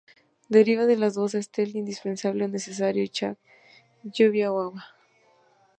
Deriva de las voces "Tel", indispensable o necesario y "chaac", lluvia o agua.